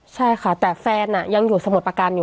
ใช่ค่ะแต่แฟนยังอยู่สมุทรประการอยู่